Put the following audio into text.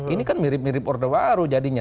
ini kan mirip mirip orde baru jadinya